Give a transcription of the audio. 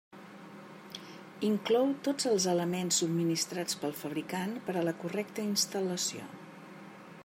Inclou tots els elements subministrats pel fabricant per a la correcta instal·lació.